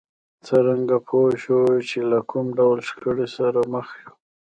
څرنګه پوه شو چې له کوم ډول شخړې سره مخ يو؟